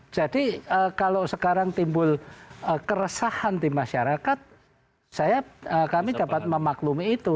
jadi kalau sekarang timbul keresahan di masyarakat kami dapat memaklumi itu